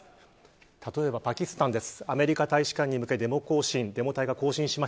例えばパキスタンです。